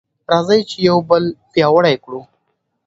راځئ چې یو بل پیاوړي کړو.